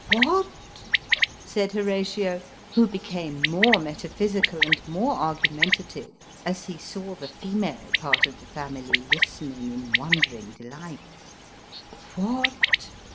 " What ?" said Horatio, who became more metaphysical, and more argumentative, as he saw the female part of the family listening in wondering delight " what